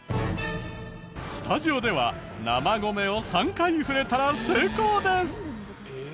スタジオでは生米を３回振れたら成功です。